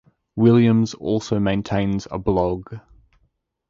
Williams also maintains a blog.